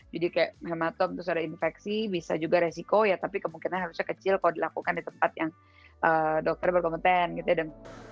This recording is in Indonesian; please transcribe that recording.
jadi kayak hematoma terus ada infeksi bisa juga resiko ya tapi kemungkinan harusnya kecil kalau dilakukan di tempat yang dokter berkompeten gitu ya